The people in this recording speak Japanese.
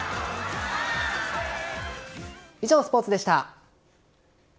以上、スポーツでした。